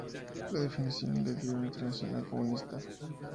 La definición la dio la Internacional Comunista.